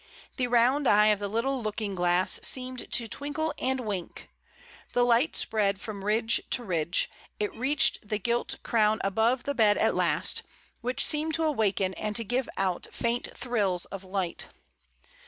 The round eye of the little looking no MRS. DYMOND. glass seemed to twinkle and wink; the light spread from ridge to ridge, it reached the gilt crown above the bed at last, which seemed to awaken and to give out faint thrills of light.